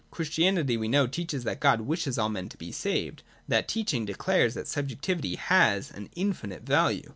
Christianity, we know, teaches that God wishes all men to be saved. That teaching declares that subjectivity has an infinite value.